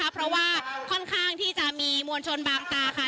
เพราะว่าค่อนข้างที่จะมีมวลชนบางตาค่ะ